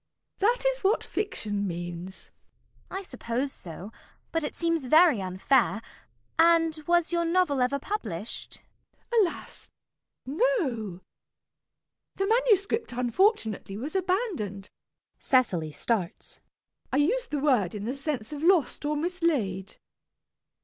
That is what Fiction means. CECILY. I suppose so. But it seems very unfair. And was your novel ever published? MISS PRISM. Alas! no. The manuscript unfortunately was abandoned. [Cecily starts.] I use the word in the sense of lost or mislaid.